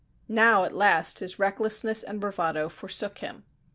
Now at last his recklessness and bravado forsook him.